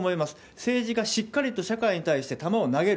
政治がしっかりと社会に対して球を投げる。